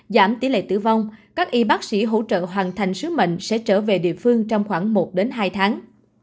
giảm tỷ lệ tử vong các y bác sĩ hỗ trợ hoàn thành sứ mệnh sẽ trở về địa phương trong khoảng một hai tháng